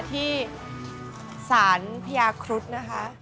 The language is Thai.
ที่ศาลพญาครุฑนะคะ